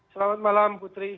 selamat malam putri